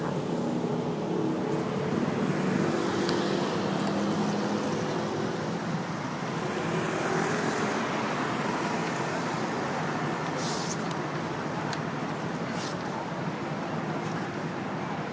จะกลับมาที่สุรคันเตอร์